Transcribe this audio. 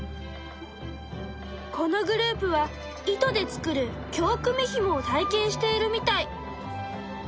このグループは糸で作る京くみひもを体験しているみたい。